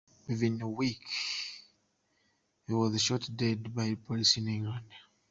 Within a week, he was shot dead by police in England.